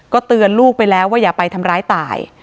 เตือนลูกไปแล้วว่าอย่าไปทำร้ายตาย